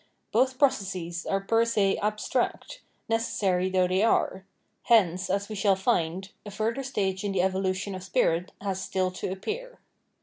Both processes are jper se abstract, necessary though they are : hence, as we shall find, a further stage in the evolution of spirit has still to appear.